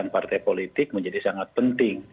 dan partai politik menjadi sangat penting